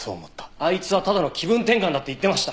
あいつはただの気分転換だって言ってました。